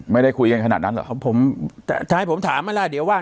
ไม่ได้คุยกันขนาดนั้นเหรอผมจะให้ผมถามไหมล่ะเดี๋ยวว่า